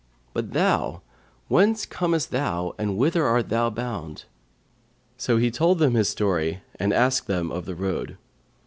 But thou, whence comest thou and whither art thou bound?' So he told them his story and asked them of the road.